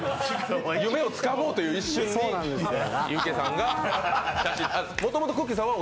夢をつかもうという一瞬に、ＵＫさんが写真を。